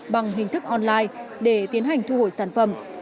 bằng hình thức online để tiến hành thu hồi sản phẩm